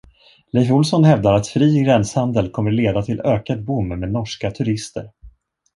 Leif Olsson hävdar att fri gränshandel kommer leda till ökad boom med norska turister.